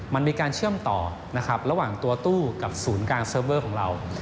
มันมีการเชื่อมต่อนะครับระหว่างตัวตู้กับศูนย์กลางเซิร์ฟเวอร์ของเรา